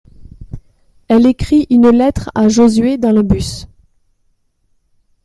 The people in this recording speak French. Elle écrit une lettre à Josué dans le bus.